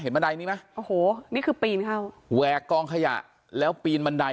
บันไดนี้ไหมโอ้โหนี่คือปีนเข้าแหวกกองขยะแล้วปีนบันได